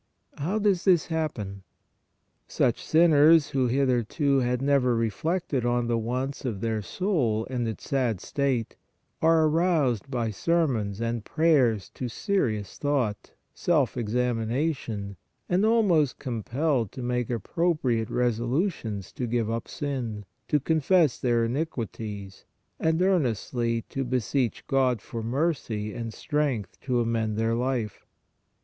How does this hap pen? Such sinners, who hitherto had never re flected on the wants of their soul and its sad state, are aroused by sermons and prayers to serious thought, self examination and almost compelled to make appropriate resolutions to give up sin, to con fess their iniquities and earnestly to beseech God for mercy and strength to amend their life.